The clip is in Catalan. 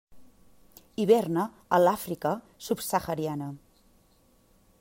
Hiverna a l'Àfrica subsahariana.